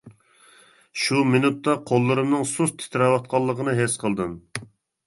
شۇ مىنۇتتا قوللىرىمنىڭ سۇس تىترەۋاتقانلىقىنى ھېس قىلدىم.